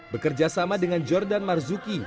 bekerja sama dengan jordan marzuki